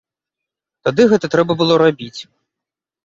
Тады гэта трэба было рабіць.